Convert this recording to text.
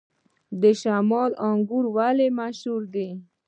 د شمالي انګور ولې مشهور دي؟